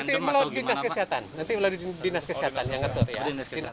nanti melalui dinas kesehatan nanti melalui dinas kesehatan yang ngatur ya